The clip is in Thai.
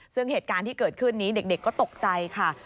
ซึ่งเหตุการณ์ที่เกิดขึ้นนี้เด็กก็ตกใจค่ะ